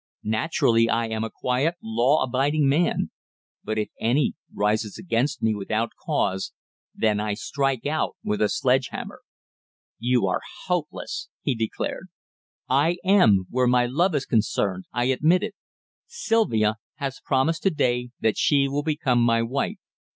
Naturally I am a quiet, law abiding man. But if any enemy rises against me without cause, then I strike out with a sledgehammer." "You are hopeless," he declared. "I am, where my love is concerned," I admitted. "Sylvia has promised to day that she will become my wife.